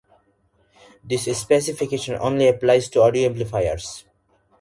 This specification only applies to audio amplifiers.